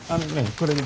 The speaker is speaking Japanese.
これね